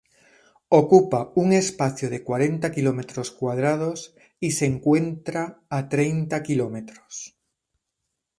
Ocupa un espacio de cuarenta kilómetros cuadrados y se encuentra a treinta km.